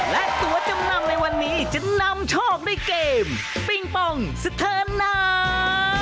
และตัวจำนำในวันนี้จะนำโชคด้วยเกมปิงปองสะเทินหนา